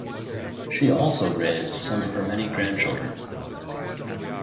She also raised some of her many grandchildren.